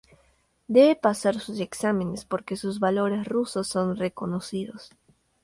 Debe pasar sus exámenes porque sus valores rusos no son reconocidos.